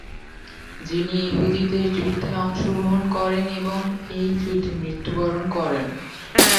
যিনি উহুদের যুদ্ধে অংশগ্রহণ করেন এবং এই যুদ্ধে মৃত্যুবরণ করেন।